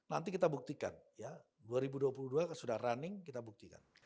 nanti kita buktikan ya dua ribu dua puluh dua sudah running kita buktikan